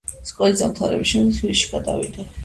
სკოლის დამთავრების შემდეგ თბილისში გადავიდა.